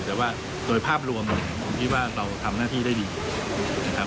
แต่ว่าโดยภาพรวมเนี่ยผมคิดว่าเราทำหน้าที่ได้ดีนะครับ